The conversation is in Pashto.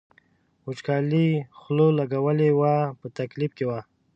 وچکالۍ خوله لګولې وه په تکلیف کې و.